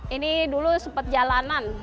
ini dulu sempat jalanan